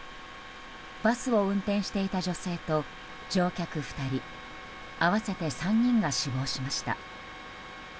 バスを運転していた女性と乗客２人合わせて３人が死亡しました。